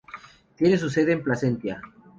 Tiene su sede en Placentia.